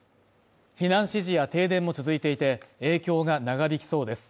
避難指示や停電も続いていて影響が長引きそうです